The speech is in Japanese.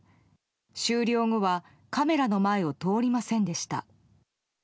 終了後はカメラの前を通りませんでした。